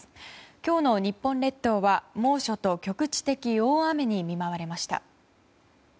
今日の日本列島は猛暑と局地的大雨に見舞われました。